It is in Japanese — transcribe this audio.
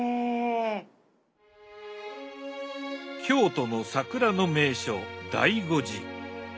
京都の桜の名所醍醐寺。